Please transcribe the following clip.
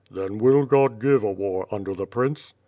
"Then will God give a war under the Prince?"